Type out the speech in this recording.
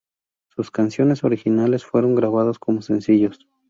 Sus canciones originales fueron grabadas como sencillos.